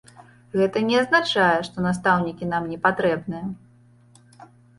Гэта не азначае, што настаўнікі нам непатрэбныя.